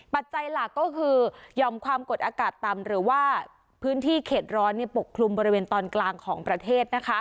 ปัจจัยหลักก็คือยอมความกดอากาศต่ำหรือว่าพื้นที่เขตร้อนปกคลุมบริเวณตอนกลางของประเทศ